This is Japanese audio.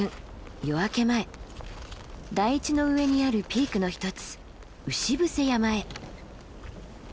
夜明け前台地の上にあるピークの一つ牛伏山へ。